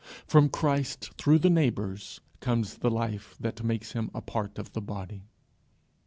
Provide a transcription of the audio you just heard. From Christ through the neighbours comes the life that makes him a part of the body.